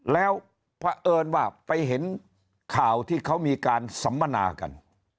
แล้วเพราะเอิญว่าไปเห็นข่าวที่เขามีการสัมมนากัน